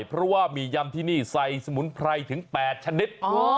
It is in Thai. เพราะว่าหมี่ยำที่นี่ใส่สมุนไพรถึง๘ชนิด